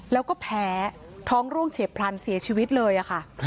แล้วก็แพ้ท้องร่วงเฉียบพลันเสียชีวิตเลยค่ะ